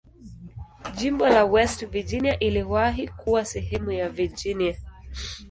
Jimbo la West Virginia iliwahi kuwa sehemu ya Virginia.